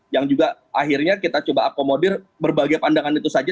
yang juga akhirnya kita coba akomodir berbagai pandangan itu saja